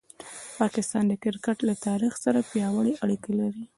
پاکستان د کرکټ له تاریخ سره پیاوړې اړیکه لري.